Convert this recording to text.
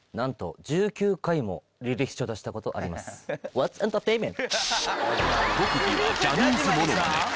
レッツエンターテインメント！